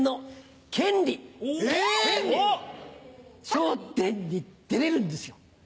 『笑点』に出れるんですよ。